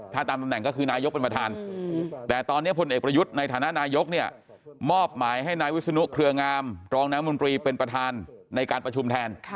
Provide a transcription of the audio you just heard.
ถ้าตามตำแหน่งก็คือนายกเป็นประธานแต่ตอนนี้พลเอกประยุทธ์ในฐานะนายกเนี่ยมอบหมายให้นายวิศนุเครืองามรองน้ำมนตรีเป็นประธานในการประชุมแทน